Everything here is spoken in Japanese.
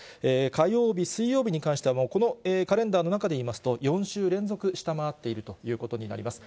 火曜日、水曜日に関しては、このカレンダーの中で言いますと、４週連続、下回っているということになります。